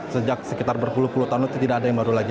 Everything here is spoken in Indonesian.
sejak sekitar berpuluh puluh tahun itu tidak ada yang baru lagi